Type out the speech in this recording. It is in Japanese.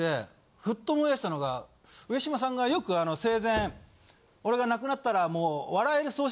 ふっと思い出したのが上島さんがよく生前俺が亡くなったらもう。